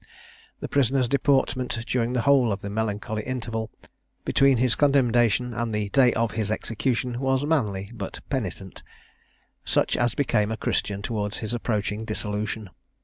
The prisoner's deportment during the whole of the melancholy interval between his condemnation and the day of his execution, was manly, but penitent such as became a Christian towards his approaching dissolution.